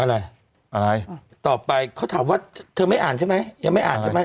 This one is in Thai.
อะไรอะไรต่อไปเขาถามว่าเธอไม่อ่านใช่ไหมยังไม่อ่านใช่ไหม